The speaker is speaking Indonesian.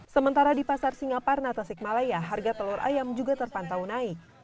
sementara di pasar singaparna tasikmalaya harga telur ayam juga terpantau naik